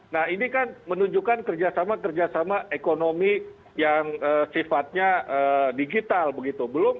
nah ini kan menunjukkan kerjasama kerjasama ekonomi yang sifatnya digital begitu